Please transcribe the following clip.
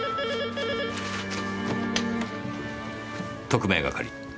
特命係。